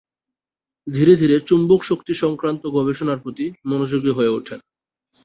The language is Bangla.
ধীরে ধীরে চুম্বক শক্তি সংক্রান্ত গবেষণার প্রতি মনোযোগী হয়ে ওঠেন।